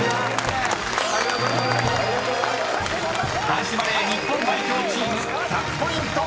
［男子バレー日本代表チーム１００ポイント